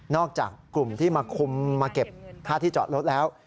จากกลุ่มที่มาคุมมาเก็บค่าที่จอดรถแล้ว